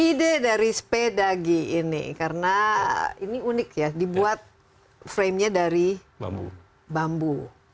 ide dari sepedagi ini karena ini unik ya dibuat frame nya dari bambu